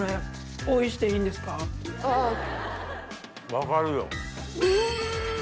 分かるよ。